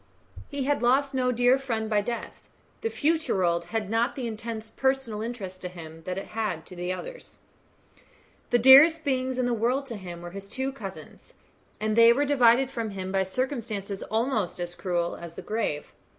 He had lost no dear friend by death. The future world had not the intense personal interest to him that it had to others. The dearest beings in the world to him were his two cousins, and they were divided from him by circumstances almost as cruel as the grave.